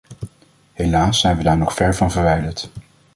Helaas zijn we daar nog ver van verwijderd.